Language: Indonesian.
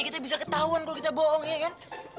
kita bisa ketahuan kalo kita bohong ya kan